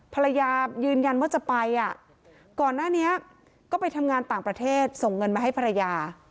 ภรรยายืนยันว่าจะไปอ่ะก่อนหน้านี้ก็ไปทำงานต่างประเทศส่งเงินมาให้ภรรยา